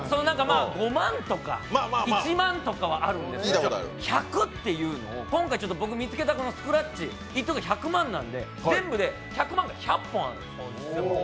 ５万とか１万とかはあるんですけど１００というのを今回、僕見つけたスクラッチ、１等１００万なので、全部で１００万が１００本あるんです。